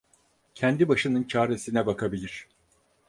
Kendi başının çaresine bakabilir.